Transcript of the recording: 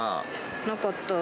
なかった。